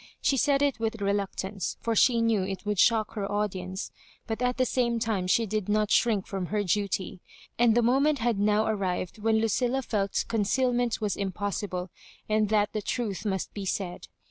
She said it with reluctdnce, for she knew it would shock her. audience, but at the same time she did not shrink from her duty; and the moment had now ar rived when Lucilla felt concealment was impos sible, and that the tmth must be said.